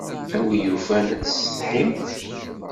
A win yufan ad tessetḥimt.